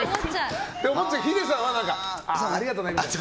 ヒデさんはありがとね、みたいな。